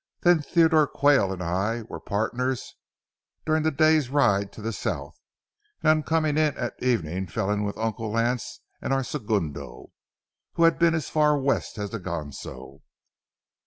Theodore Quayle and I were partners during the day's ride to the south, and on coming in at evening fell in with Uncle Lance and our segundo, who had been as far west as the Ganso.